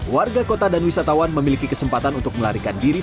warga kota dan wisatawan memiliki kesempatan untuk mencari minuman yang segar segar